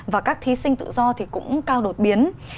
và các thí sinh tự do thì cũng cao đột biến